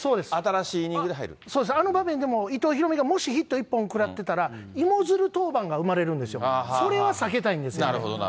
終そうです、あの場面でも伊藤大海がもしヒット１本食らってたら、芋づる登板が生まれるんですよ、それは避けたいんですよね。